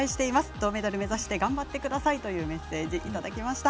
銅メダル目指して頑張ってくださいというメッセージ、いただきました。